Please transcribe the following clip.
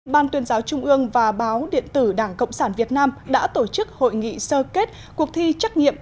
ban tuyên giáo trung ương và báo điện tử đảng cộng sản việt nam đã tổ chức hội nghị sơ kết cuộc thi trắc nghiệm